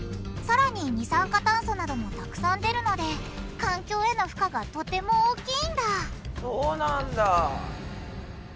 さらに二酸化炭素などもたくさん出るので環境への負荷がとても大きいんだ！